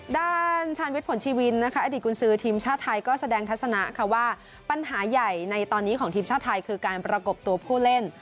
ชาญวิทย์ผลชีวินนะคะอดีตกุญสือทีมชาติไทยก็แสดงทัศนะว่าปัญหาใหญ่ในตอนนี้ของทีมชาติไทยคือการประกบตัวผู้เล่น